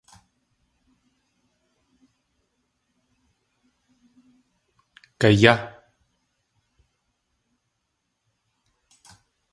Gayá!